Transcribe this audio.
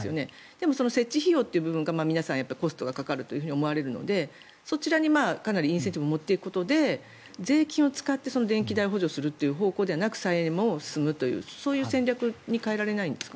でも設置費用が皆さん、コストがかかると思われるのでそちらにかなりインセンティブを持っていくことで税金を使って電気代を補助する方向でなくて再エネも進むというそういう戦略に変えられないんですか？